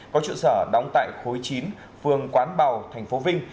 có trụ sở đóng tại khối chín phường quán bào tp vinh